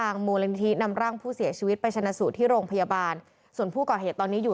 คนเสื้อสิ้นแดงเพื่อนเขากันเนี่ย